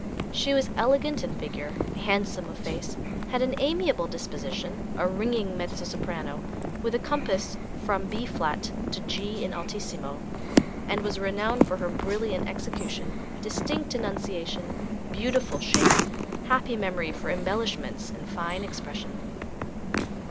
She was elegant in figure, handsome of face, had an amiable disposition, a ringing mezzo soprano, with a compass from B flat to G in altissimo, and was renowned for her brilliant execution, distinct enunciation, beautiful shake, happy memory for embellishments and fine expression.